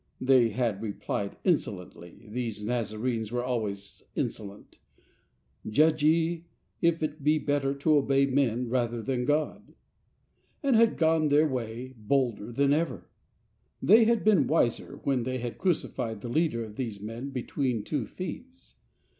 They had replied insolently— these Nazarenes were always insolent —" Judge ye if it be better to obey men rather than God," and had gone their way bolder than ever. They had been wiser when they had cruci fied the Leader of these men between two thieves.